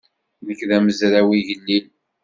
Nekk d amezraw igellil.